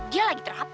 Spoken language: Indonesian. dia lagi terapi